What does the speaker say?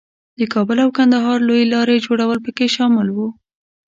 د کابل او کندهار لویې لارې جوړول پکې شامل وو.